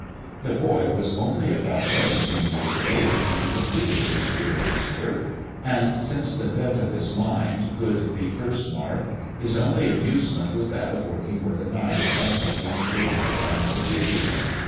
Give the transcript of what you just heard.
The boy was only about seventeen years of age when he completed this curious work, and since the bent of his mind could be first marked, his only amusement was that of working with a knife, and making little mechanical figures.